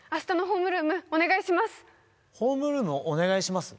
ホームルームお願いします？